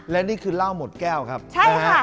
และนี่คือเล่าหมดแก้วครับใช่ค่ะ